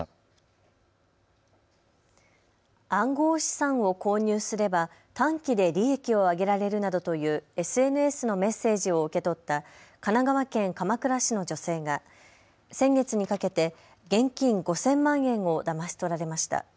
暗号資産を購入すれば短期で利益を上げられるなどというＳＮＳのメッセージを受け取った神奈川県鎌倉市の女性が先月にかけて現金５０００万円をだまし取られました。